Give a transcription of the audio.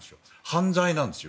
犯罪なんですよ。